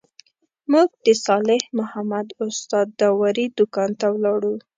موږ د صالح محمد استاد داوري دوکان ته ولاړو.